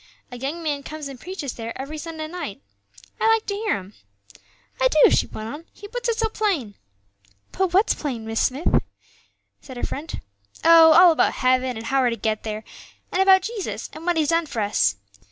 A young man comes and preaches there every Sunday night; I like to hear him, I do," she went on, "he puts it so plain." "Puts what plain, Mrs. Smith?" said her friend. "Oh, all about heaven, and how we're to get there, and about Jesus and what He's done for us.